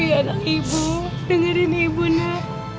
anak ibu dengerin ibu nak